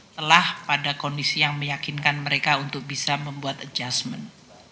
telah pada kondisi yang meyakinkan mereka untuk bisa membuat adjustment